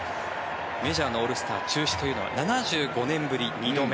メジャーのオールスター中止というのは７５年ぶり２度目。